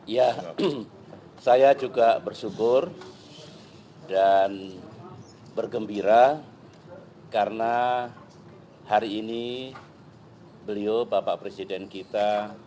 ya saya juga bersyukur dan bergembira karena hari ini beliau bapak presiden kita